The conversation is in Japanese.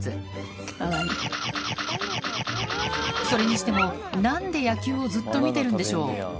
それにしても何で野球をずっと見てるんでしょう？